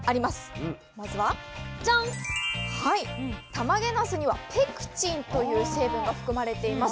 たまげなすにはペクチンという成分が含まれています。